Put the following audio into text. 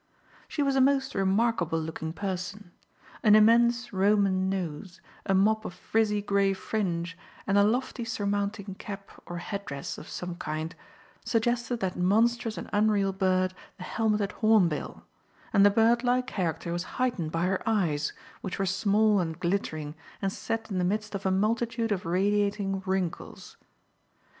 She was a most remarkable looking person. An immense Roman nose, a mop of frizzy grey fringe and a lofty surmounting cap or head dress of some kind, suggested that monstrous and unreal bird, the helmeted hornbill; and the bird like character was heightened by her eyes, which were small and glittering and set in the midst of a multitude of radiating wrinkles.